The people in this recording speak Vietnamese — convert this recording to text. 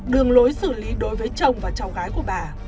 đường lối xử lý đối với chồng và cháu gái của bà